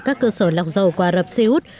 các cơ sở lọc dầu của ả rập xê út